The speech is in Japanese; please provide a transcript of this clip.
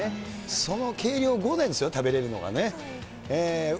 その計量後なんですよね、食べれるのはね。